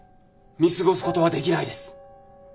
見過ごすことはできないです。